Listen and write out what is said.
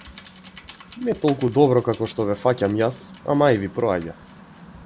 Не толку добро како што ве фаќам јас, ама ај, ви проаѓа.